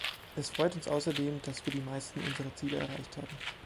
Es freut uns außerdem, dass wir die meisten unserer Ziele erreicht haben.